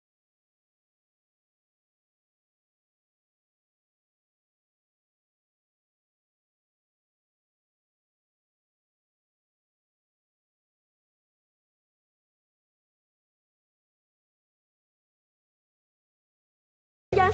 untuk dapat info terbaru dari kami